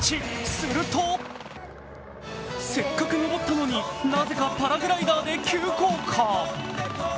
するとせっかく登ったのになぜかパラグライダーで急降下。